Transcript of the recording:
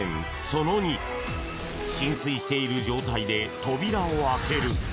その２浸水している状態で扉を開ける。